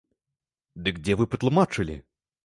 Дык дзе вы патлумачылі?